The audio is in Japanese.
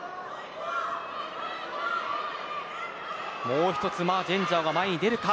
もう１つマ・ジェンジャオが前に出るか。